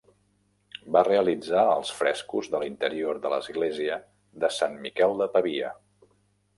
Va realitzar els frescos de l'interior de l'església de Sant Miquel de Pavia.